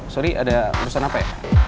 sorry ada urusan apa ya